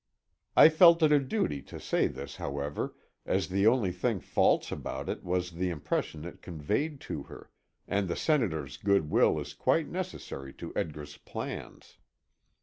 I felt it a duty to say this, however, as the only thing false about it was the impression it conveyed to her and the Senator's good will is quite necessary to Edgar's plans.